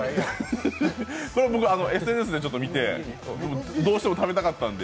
これ、僕、ＳＮＳで見てどうしても食べたかったんで。